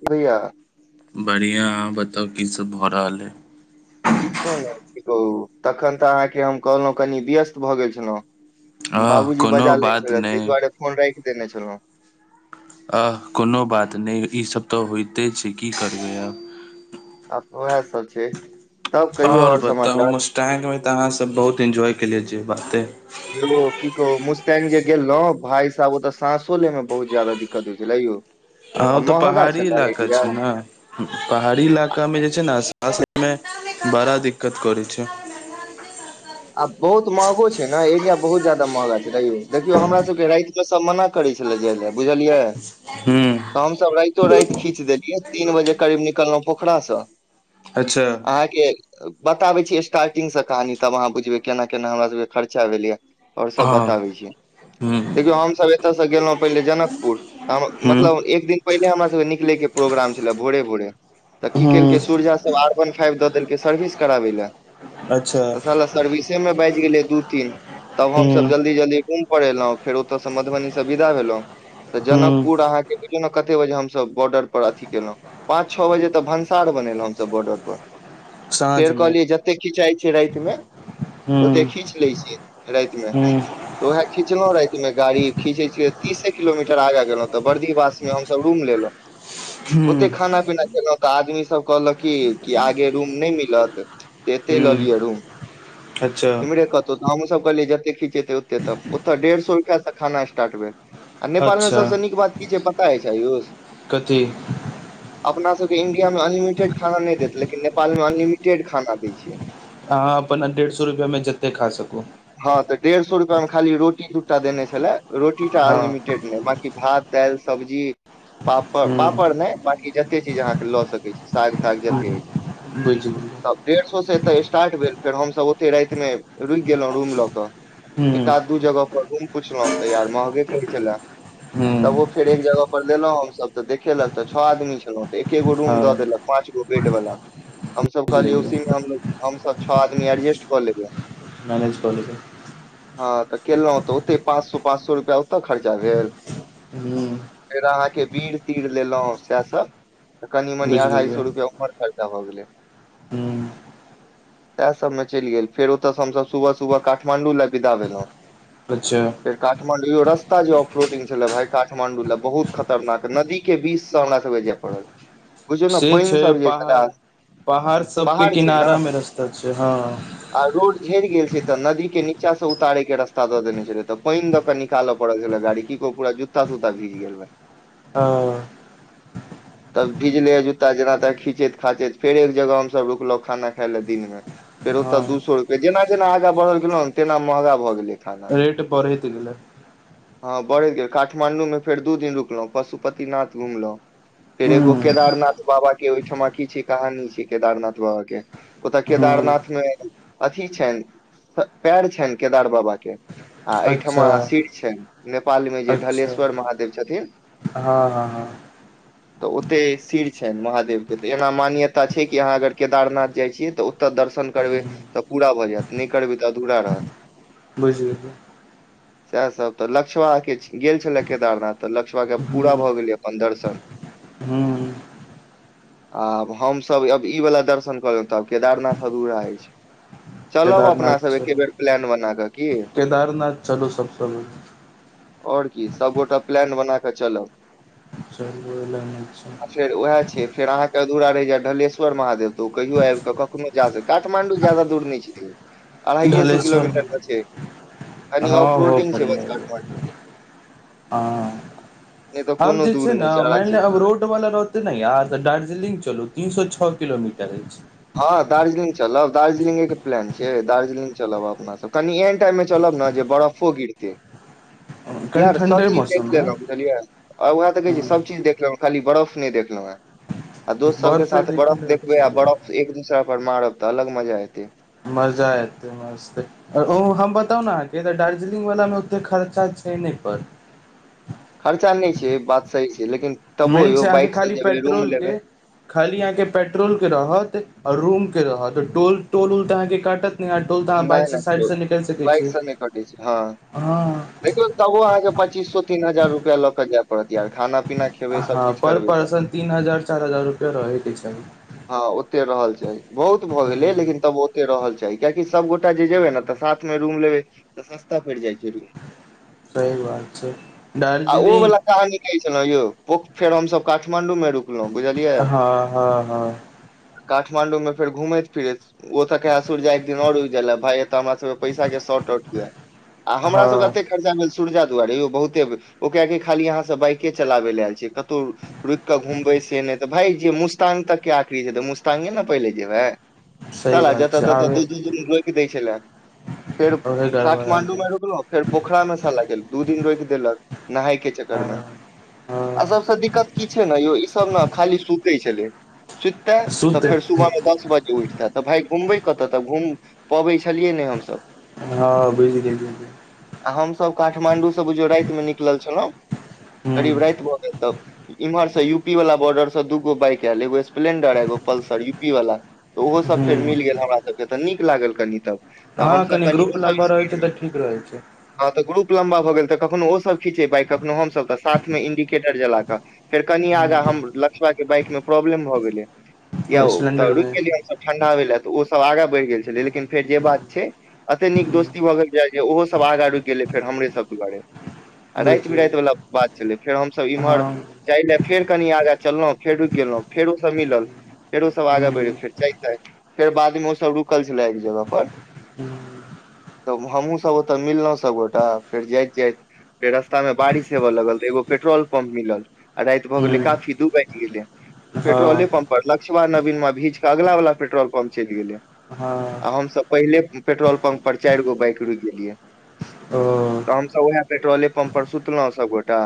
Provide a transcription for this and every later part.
[unintelligible] अया बढ़िआँ अहाँ बताउ की सब भऽ रहल य किछो नहि कहू तखन तऽ अहाँके हम कहलहुँ कनी व्यस्त भऽ गेल छलहुँ आह बाबूजी बजा कोनो ले बात छलै ताहि नहि दुआरे फोन राखि देने छलहुँ आह कोनो बात नहि ईसभ तऽ होइते छै की करबै आ उएह सब छै तब कहियौ आओर समाचार टाैइकमे तऽ अहाँब बहुत इन्जॉय केलियै छ बाते यौ की कहौ मुस्तैंगग जे गेलहु भााय साहब ओतऽ साँसो ले मे बहुत जादा दिक्कत होइ छलै यौ हँ आ ओ तऽ महगा पहाड़ी छलै इलाका एरिया छै ने पहाड़ी इलाका मे जे छै ने सा मे बड़ा दिक्कत करै छै आब बहुत महगो छै ने एरिया बहुत जादा महगा छै रयौ देखियौ हमरा सबके सब मना करै छलै जाय लए बुझलियै हू तऽ हमसभ राइतो रात खींच देलियै तीन बजे करीब निकललहुँ पोखरासँ अच्छा अहाँके बताबै छी स्टार्टिंग से कहानी तब अहाँ बुझबै केना केना हमरा सबके खर्चा भेल या आओर सब हँ बताबै छी ह्म देखियौ हमसभ एतयसँ गेलहुँ पहिले जनकपुर तऽ हम ह्म मतलब एक दिन पहिले हमरासभके निकलैके प्रोग्राम छलै भोरे भोरे तऽ की केलकै ह्म सूुर्या सब आर वन फाइव दऽ देलकै सर्विस कराबै लए अच्छा तऽ स सर्विसे मे बाजि गेलै दू तीन तब ह्म हमसभ जल्दी जल्दी म पर एलहुं फेर ओतय सें मधुबनी से विदा भेलहुं तऽ ह्म जनकपुर अहाँ के कलहु क तेते बजे हमसभ बॉर्डर पर अथिी केलहुँ पाँच छओ बजे तऽ भनसार बनेलहुँ हमसभ बॉर्डर पर फेर साँझमे कहलियै जतेक खिचाइ छै रातमे ओते ह्म खींच लै छिय रात मे ह्म तऽ उएह खीचलँ रातमे गाड़ी खीचै छिय तीसे किलोमीटर आग गेलहु तऽ बर्दी बात हमसब रूम लेब ओते ह्म खाना पीना खेलहुं तऽ आदमी सब कहलक की कि आगे रूम नहि मिलत अते ह्म लऽलियै अच्छा इम्हरे कहु त हमूसभ कहलियै जतेक खिचेतै ओते त ओतऽ डेढ़ सए रुपैआसँ खाना स्टार्ट भेल आ नेपालमे अच्छा सबसँ नीक बात की छै पता हइ छै आयूष कथी अपना सबकेँ इंडिया मे अनलिमिटेड खाना नहि देत लेकिन नेपाल म अनलिमिटेड खाना दै छियै अहाँ अपन डेढ़ सौ रुपया म जते खा सकू हँ तऽ डेढ़ सौ रुपआ मे खाली रोटी दूटा देने छलै रोटी टा हँ अनलिमिटेड बाकी भात दाइल सब्जी पापड़ ह्म पापड़ नै बाकी जते चीज अहाँ कऽ लए सक साग ताग जते ह्म हो छै बुझि गेलियै [inaudible] सब डेढ़ सौ से एतय स्टार्ट भेल फेर हमस ओते रात म रुकि गेलैं रूम लऽ कऽ एक ह्म आध दू जगह पर रूम पुछलौं तऽ यार महंगे कहै छलै तबो ह्म फेर एक जगह पर लेलौं हमसभ तऽ देखेलक तऽ छओ आदमी छलौं तऽ एकेगो रूम हँ दऽ देलक पाँच गो बेड वला हम सब बुझि कहलिय गेलियै उसी में हमलोग हम सब छ आदमी एरजस्ट कऽ लेवैय [unintelligible] हँ तऽ केलौं तऽ ओतय पाँच सौ पाँच सौ रुपआ ओतऽ खर्चा भेल [unintelligible] फेर अहाँकेँ बीर तीर लेलों सेह सब तऽ कनी मनी बुझि अढ़ाई गेलियै सौ रुपआ उम्हर खर्चा भऽ गेलै ह्म सैह सबमें चैल गेल फेर ओतस हमसब सुबह सुबह काठमाण्डू लए विदा भेलों अच्छ काठमांडू यो रस्ता जे आफरोडिंग छले भाय काडमांडू लय बहुत खतरणाक नदी कऽ केँ बीस स हमरा सब केँ जै पड़ल [inaudible] से पानि छय सब जे छले पहाड़ पहाड़ सब केँ पहाड़ छै ने किनारा मे रस्ता छै हँ आ रोड झैर गेल छै तऽ नदी केँ नीचा स उतारय कऽ रास्ता दऽ देने छलय तऽ पाइन दऽ केँ निकाल पड़ल छलय गाड़ी की कहु पूरा जुत्ता तुत्ता भीज गेल वाइह [unintelligible] [inaudible] तऽ भीजले जूत्ता जेना तेना खींचैत खाचैत फेर एक जगह हम सब रुकलौ खाना खाय लय दिन मे फेर ओत दु सौ हँ रुपए जेना जेना आगा बढ़ल गेलो तेना महंगा भऽ गेलै खाना रेट बढैत गेलै हँ बढ़ैत गेल काठमाण्डू मे फेर दु दिन रुकलौ पशु पतिनाथ घुमलों फेर एगो ह्म केदारनाथ बाबा केँ ओहिठमा की छै कहानी छै केदारनाथ बाबा केँ ह्म केदारनाथ मे अथी छैन्ह पैर छइन केदार बाबा केँ आ एहिठमा अच्छा सिर छैन नेपालमे जे अच्छा ढलेश्वर महादेव छथिन हँ हँ [inaudible] तऽ ओतय सीर छैन्ह महादेव कऽ तऽ एना मान्यता छै कि अहाँ अगर केदारनाथ जाइ छियै तऽ ओतऽ दर्शन करबै ह्म तऽ पुरा भऽ जायत नहि करबै तऽ अधूरा रहत बुझ गेलिए [inaudible] सएहसभ तऽ लक्ष्बाके गेल छलै केदारनाथ तऽ लक्ष्बाके पुरा हूँ भऽ गेलै अप्पन दर्शन [unintelligible] आब हमसब अब ई वला दर्शन करब तऽ आब केदारनाथ फगुला हो छै चलब अपना केदारनाथ सब एके चलू बेर प्लैन बना कऽ की [inaudible] केदारनाथ चलू सबसँ और की सबगोटा प्लैन बना कऽचलब चल बइ ओइ लऽ नै छै आ फेर वैह छै फेर अहाँ केँ अधूरा रैह जैत ढलेश्वर महादेव तऽ ओ कहियो आबि कऽ कखनो फे जा छै काठमाण्डु जादा दूर नै तैयो अराईए सौ ढलेश्वर किलोमीटर तऽ छै [inaudible] कनि हँ ऑफ हो रोडिंग छै बस बढ़िया काठमांडू केँ हँ [inaudible] हम कोनो जे दूर छै न नहि आरा मैन छै ले रोड वला रहतै न यहाँ स दार्जिलिंग चलु तीन सौ छौ किलोमीटर अइछ हँ दार्जिलिंग चलब दार्जलिंगे केँ प्लान छै दार्जलिंग चलब अपना सब कनि एहन टाइम में चलब ने जे बरफ फो गिरतै अछि [inaudible] कनि यार सब ठण्डे चीज देख मौसममे लेलौं बुझलियै आर उहय तऽ कहय छी सभ चीज देखलौं खाली बरफ नै देखलौं है आ दोस्त सब केँ बर्फे साथ देखै बरफ लए देखबै अच्छा आ लागै। बरफ एक दुसरा पर मारब तऽ अलग मजा एतै मजा एतै म ओ हम बताउ न अहाँकेँ तऽ दार्जलिंग वला मे ओते खर्चा छै नै पर खरचा नै छै बात सही छै लेकिन तब्बो मेन यौ छै अहाँके बाइक सऽ खाली जेबै रूम लेबै पेट्रोलके खाली अहाँकेँ पेट्रोल केँ रहत और रूम केँ रहत टोल टोल उल तऽ अहाँ केँ काटत न टेल तऽ अहाँ नहि बाइकसँ नहि साइडसँ निकैल सकै बाइक छी कटै स हँ हँ देखौ तबो अहाँ केँ पच्चीसो तीन हजार रुपआ लऽ कऽ जाय पड़त यार खाना पीना खेबै सब हँ चीज पर करबै तऽ पर्सन तीन हजार चार हजार रुपैआ रहै केँ चाही हँ ओते रहल चाही बहुत भऽ गेले ह लेकिन तब ओते रहल चाही कियाकि सब गोटा जेबे न तऽ साथ मे रूम लेबै तऽ सस्ता पड़ जाइ छै रूम [inaudible] सही बात छै [inaudible] आ ओ दार्जिलींग वाला कहानी कहै छल यौ ओ फेर हमसब कठमांडू मे रुक रुकलों बुझलिय हँ हँ हँ काठमाण्डू मे फेर घुमैत फिरैत ओ तऽ कह सूर्या एक दिन और रुक जाय लऽभाय एते हमरा सब कऽ पैसा कऽ शॉर्ट आउट हुए आ हमरा सभ केँ एतेक हँ खर्चा न सूरजा दुआारे यौ बहुते ओ कहे की खाली अहाँ सब बाइकेँ चलाबे ल आयल छै कतहु रुकि कऽ घुमबै से नहि तऽ भाय जे मुस्तांग तक केँ आखिरी छै तऽ मुस्ताग न पहिले जेयबै सही साला बात जता छै तत आबे दू दू दिन रोइक दै छलै फेर ओहे गड़बड़ा काठमांडू छै में रुकलो फेर पोखरा मे साला गेल दू दिन रोइक देलक नहाय केँ चक्कर मे हँ आ हँ सबसे दिक्कत की छै ने यौ ई सब ने खाली सुते छलै सुईते तऽ सुत फेर सुबह में दस बजे उठ तऽ भाय घुमबै कतऽ तऽ घूम पबै छलियै नै हम सभ हँ बुझी गेलिये आ हम सभ काठमाण्डू सँ बुझियौ रारत मे निकलल छलौं करीब राइत भऽ गेल तब इम्हर से यूपी वाला बॉर्डर से दूगो बाइक एगो स्प्लेंडर एगो पल्सर यू पी वाला तऽ ओहो ह सभ फेर ह मिल गेल हमरा सभ केँ तऽ नीक लागल कनि तब तऽ हम हँ सभ कनि ग्रुप ओ सब लम्बा रहै स्पीड छै में तऽ ठीक रहै छै [inaudible] हँ तऽ ग्रुप लम्बा भऽ गेल तऽ कखनो ओ सब खिचैाइ कखनो हम सभ तऽ साथ मे इंडिकेटर जला कऽ फेर कनि आगा हम लक्षबा कऽ बाइक मे प्रॉब्लम भऽ गेले ह या तऽ रुकि सिलेंडरमे गेलियै हम सब ठंडा होय लऽ तऽ ओ सब आगाँ बढ़ि गेल छलै लेकिन फेर जे बात छै एते नीक दोस्ती भऽ गेल जे ओहो सभ आगाँ रुकि गेलै फेर हमरे सभ द्वारे आ बुझ राइत बिराति वाला बात छलै फेर हम सभ हँ इम्हर ह जाइ लए फेर कनि आगाँ चललहुँ फेर रुकि गैलैं फेरो स मिलल फेरो ओ सभ आगे बढ़ि गेल फेर चाय ताय फेर बादमे ओ सब रुकल छलै एक जगह पर तऽ हमहूँ सब ओत मिललौं सभ गोटा फेर जाइत जाइत फेर रस्ता मे बारिश हेवय लगल तऽ एगो पेट्रोल पंप मिलल आ रात भऽ गेले काफी दू बाइज गेले ह पेट्रोले हँ पम्प पर लक्ष्मा नवीना भीज कऽ अगला वाला पेट्रोल पम्प चैल गेले हँ हम सब पहिले पेट्रोल पंप पर चार गो बाइक रुक गेलिये [unintelligible] तऽ हम सभ उएह पेट्रोले पम्प पर सुतलहुँं सभ गोटा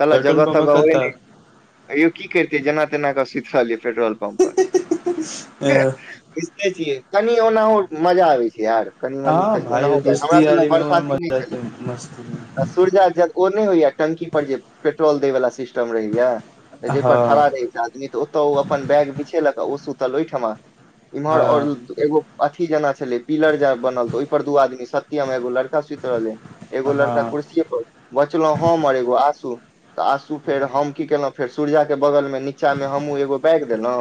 साला पेट्रोल जगह पम्प तगह होइ कतऽ नहि [inaudible] त्यो की करितेै जेना तेना कऽ सुति रहल यै पेट्रोल पम्प पर [inaudible] [unintelligible] बुझिते छियै कनि ओनाहु मजा आबै छै यार कनि मनी हँ तऽ ओना भाय हमरा दोस्ती सब लग यारीमे ओहिमे बरशाति नै मजा छै छलै मस्तीमे [inaudible] सूरजा जल ओ नहि होइया टंकी पर जे पेट्रोल देय वला सिस्टम रहैया तऽ जाहि पर खड़ा हँ रहै छै आदमी तऽ ओतऽ ओ अपन बैग बिछेलक ओ सुतल ओहिठमा इम्हर हँ और एगो अथी जेना छलै पिलर जे बनल तऽ ओइर पर दू आदमी सत्यम एगो लड़का सुत रहलै एगो हँ लड़का कुर्सी पर बचलहुँ हम आर एगो आशू तऽ आशू हूँ फेर हम की केलहुँ फेर सुरजा केँ बगल मे नीचा मे हमहुं एगो बैग देलौं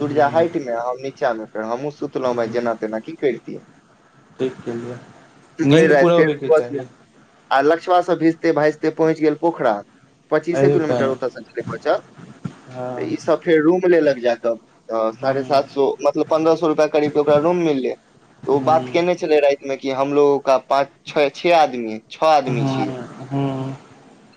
सुरजा हाइट मे हम‌ नीचा मे फेर हमहुँ सुतलौं वाइह जेना तेना की करितियै ठीक केलियै [inaudible] भैर नीन्द राइत पूरा फेर होयके चाही बसमे [inaudible] आ लक्ष्बा सऽ भिजते भाइजते पहुँच गेल पोखरा पच्चीसे एहि किलोमीटर टाइम ओतय स छलय बचल हँ तऽ ई सब फेर रूम लेलक जाक अ साढ़े सात सौ मतलब पन्द्रह सौ रुपआ करीब ओकरा रूम मिलले ओ ह बात केने छलै राइतमे कि हमलोगो का पाँच छै छेह आदमी छअ ह आदमी छियै ह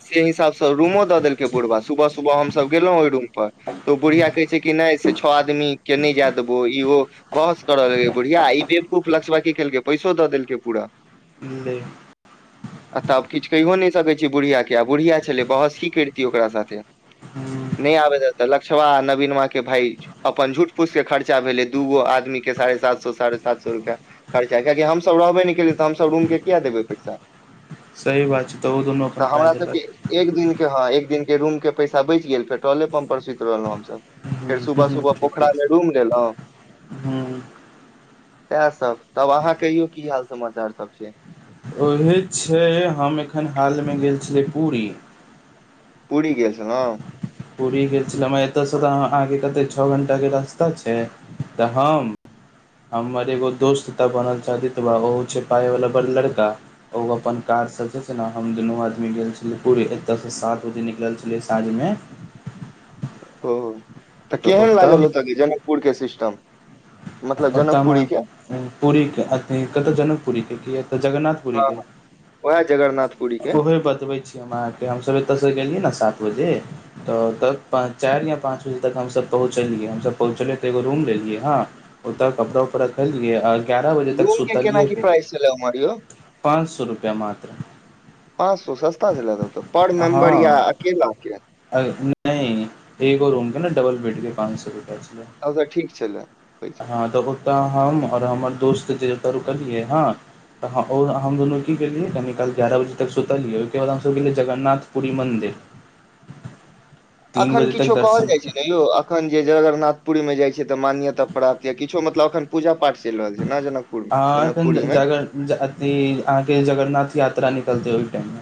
से हिसाबसँ रूमो दऽ देलकै बुढ़बा सुबह सुबह हमसभ गेलहुँ ओहि रूम पर तऽ ओ बुढ़िया ह कहै छै कि नै से छओ आदमी केँ नै जाय देबो ई ओ बहस करय लगले बुढ़िया ई बेवकूफ लक्ष्बा की केलकै पैसो दऽ देलकै पूरा [unintelligible] [inaudible] आ तब किछ कहिओ नहि सकय छियै बुढ़िया केँ आ बुढ़िया छलै बहस की करितियै ओकरा साथे हूँ नै आबय दैत तऽ लक्ष्वा नवीनमा केँ भेज अपन झूठ फूस कऽ खर्चा भेलै दूगो आदमी केँ साढ़े सात सौ साढ़े सात सौ रुपैआ खर्चा कियाकि हमसभ रहबै नै केँ लिए तऽ हम सभ रूम केँ किया देबै पैसा सही बात छै तऽ ओ दुनू तऽ अपन हमरा पाइ सबके देलक एक दिन केँ हँ एक दिन के रूम केँ पैसा बचि गेल फेर पेट्रोले पम्प पर सुत रहलौं हमसभ फेर सुबह हूँ सुबह ठीके पोखरामे छै रूम लेलौं [unintelligible] सैह सब तब अहाँ कहियो की हाल समाचार सब छै ओहे छै हम एखन हाल मे गेल छलियै पुरी पुरी गेल छेलौ पुरी गेल छलौं म एतऽसँ तऽ अहाँ कतेक छह घण्टा केँ रास्ता छै तऽ हम हमर एगो दोस्त त बनल छै अदितबा ओहो छै पाय वाला बड़ लड़का ओ अपन कार स जे छै ने हम दुनू आदमी गेल छलियै पुरी एतयसँ सात बजे निकल छलै से साँझमे ओ तऽ केहन लागल ओतोके जनकपुरके सिस्टम मतलब ओतऽ मे जनकपुरी के अ पुरीके अथि कतय जनकपुरीके के एतऽ जगन्नाथ पुरी हँ के उएह जगरनाथ पुरी के ओहे बतबै छी हम अहाँके हम सब एतयसँ गेलियै ने सात बजे तऽ तक चैर या पाँच बजे तक हमसभ पहुँचलियै हमसभ पहुँचलियै तऽ एगो रूम लेलियै हँ ओतो कपड़ा उपड़ा रखलियऐ आ ग्यारह बजे तक रूम के केना सुतलियै की फेर प्राइस छलै उम्हर यौ पाँन सो रुपया मात्र पाँच सौ सस्ता छलै तब त पर मेम्बर या अकेलाके अए नै एगो रूम के ने डबल बेड के पाँच सो रूपया छै तब तऽ ठीक छलै पैसा हँ डबल तऽ हम और हमर दोस्त जे ओतो रुकलियै हँ त हं ओइमे अ हम दुनू की केलियै कनी काल ग्यारह बजे तक सुतलियै ओइके बाद हम सभ गेलियै जगन्नाथपुरी मन्दिर तीन अखन बजे तक किछु कहल दर्शन जाइ छै नै यौ अखन जे जगरनाथ पुरीमे जाय छै तऽ मान्यता प्राप्त या किछो मतलब अखन पूजा पाठ चलि रहल छै ने जेना हँ अखन त जगर अथी एखन अहाँके जगरनाथ यात्रा निकलतै ओहि टाइममे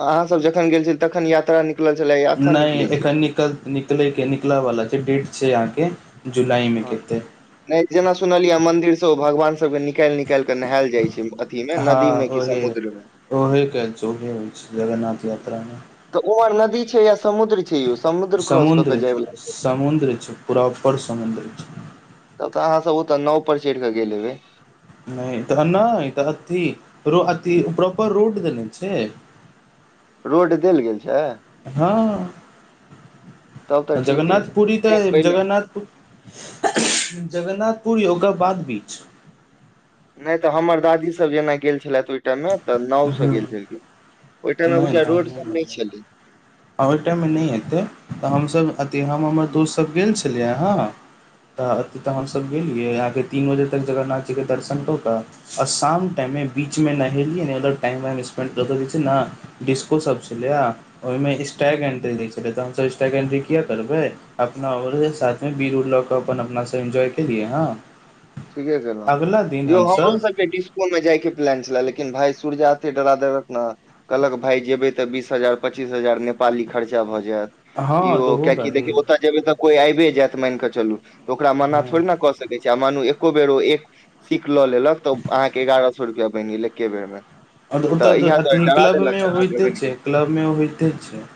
अहाँ सब जखन गेल छी तखन यात्रा नि नै एखन निकल निकलैके निकलैवला छै डेट छै अहाँके जुलाइमे केते नै जेना सुनलियै मन्दिर स ओ भगवान सबके निकैल निकैल कऽ नहायल जाइ छै [unintelligible] इमे हँ नदीमे कि समुद्रमे ओहे कल छै ओहे होइ छै जगन्नाथ यात्रामे तऽ उमहर नदी छै या समुद्र छै यौ क्रॉस कऽ के समुद्र जाय छै वला समुद्र छै प्रॉपर समुद्र छै तब तऽ अहाँ सब ओतऽ नाव पर चैढ़ कऽ गेल हेबै नै तऽ नै तऽ अथि अथि प्रॉपर रोड देने छै रोड देल गेल छै हँ तब तऽ ठीक अछि जगन्नाथ पुरी नहि तऽ पहिले जगन्नाथ जगन्नाथपुरी ओकरबाद बीच नै तऽ हमर दादी सब जेना गेल छेला ओइ टाइम मे तऽ नाव स हँ गेल छलखिन ओइ टाइम मे बुझा रोड सब नै छलै आ ओइ टाइममे नै एतै तऽ हमसभ अथ हम हमर दोस्तसभ गेल छलियै हँ तऽ अथि तऽ हमसभ गेलियै अहाँके तीन बजे तक जगन्नाथजीके दर्शन कऽ कऽ आ शाम टाइमे बीचमे नहेलियै नहि टाइम वइम स्पेंड कर रह छै न डिस्कोसभ छलैएआ ओहिमे स्टैग एन्ट्री दै छलै तऽ हमसभ स्टैग एन्ट्री किया करबै अपना आओर साथमे बीर उर लऽ कऽ अपन अपना से एन्जॉय केलियै हँ ठीके केलउन अगिला दिन यौ हमरो हमसभ सबके डिस मे जाइके प्लान छेला लेकिन भाय सूर्या एते डरा देलक न कहलक भाय जेबै तऽ बीस हजार पच्चीस हजार नेपाली खर्चा भऽ जेअत [unintelligible] हँ तऽ होगा की ही देखि ओता जेबै तऽ कोइ आबेय जायत मान कऽ चलू ओकरा मना हँ थोड़े ने कऽ सकै छियय आ मानू एको बेर ओ एक सीख लऽ लेलक तऽ अहाँके एगारह सो रुपैया बैन गेल एके बेरमे आओर ओतय अथी क्लब मे होइते छै क्लब मे होइते छै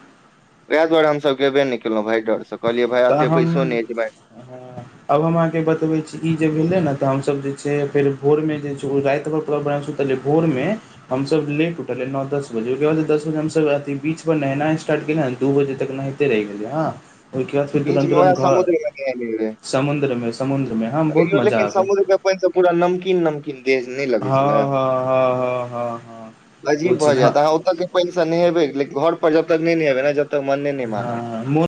वएह दुआर हमसभ गेबे नै केलहुँ भाय डर सब तऽ हम अहाँ आब हम अहाँके बतबै छी ई जे भेलै न तऽ हमसभ जे छै फेर भोरमे जे राति मे [unintelligible] ते जे भोरमे हमसब लेट उठल रहै नओ दस बजे ओके बाद दस बजे हम सब अथ बीच पर नहेनाय स्टार्ट केने हाब दू बजे तक न ते रहि गेलै हँ ओई के बाद फेर बीच तुरंत मे वएह तुरंत घर समुद्र मे नहेने रहे समुद्र मे समुंद्र मे हँ मे बहुत मजा आबै पेएन त पुरा नमकीन नमकीन इन्देज नै लगै छला हँ हँ हँ हँ हँ हँ ओ अजीब भऽ छै हँ जायत अह ओत के पएन स नहेबैे ले घर पर जबतक नै नहेबै न जबतक मने नै मानत हँ